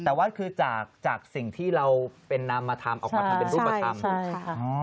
แต่ว่าคือจากสิ่งที่เราเป็นนำมาทำออกมาทำเป็นรูปธรรม